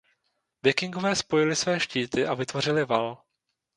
Vikingové spojili své štíty a vytvořili val.